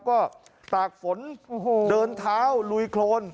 ก็ตากฝนเดินเท้าลุยโครน